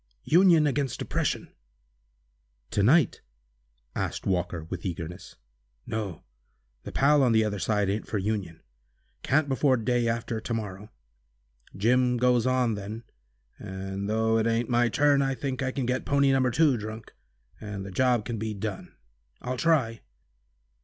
Union against oppression!" "To night?" asked Walker, with eagerness. "No, the pal on the other side ain't for Union. Can't before day after to morrow. Jim goes on then, and though it ain't my turn, I think I can get pony No. 2 drunk, and the job can be done. I'll try."